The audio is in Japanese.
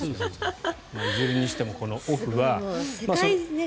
いずれにしてもこのオフはね。